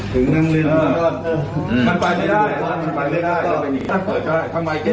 ถึงนั่งเล่นได้